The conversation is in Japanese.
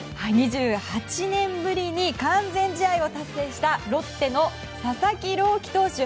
２８年ぶりに完全試合を達成したロッテの佐々木朗希投手。